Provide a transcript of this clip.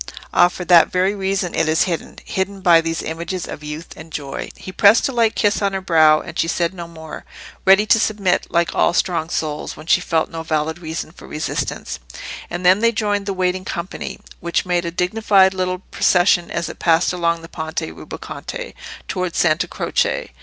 "Ah! for that very reason it is hidden—hidden by these images of youth and joy." He pressed a light kiss on her brow, and she said no more, ready to submit, like all strong souls, when she felt no valid reason for resistance. And then they joined the waiting company, which made a dignified little procession as it passed along the Ponte Rubaconte towards Santa Croce.